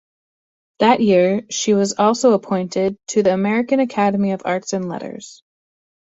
That year she was also appointed to the American Academy of Arts and Letters.